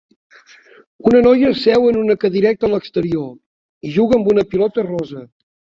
Una noia seu en una cadireta a l'exterior i juga amb una pilota rosa.